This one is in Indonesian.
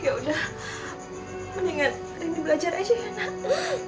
ya udah mendingan rini belajar aja ya nanti